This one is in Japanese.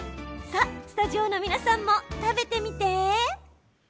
さあ、スタジオの皆さんも食べてみて！